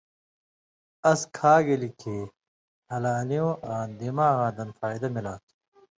اس کھہ گیلیۡ کھیں ہلالیُوں آں دماغاں دن فائدہ ملا تُھو۔